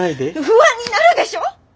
不安になるでしょ！